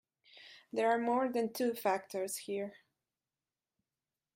There are more than two factors here.